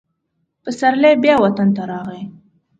پسرلی بیا وطن ته راغی.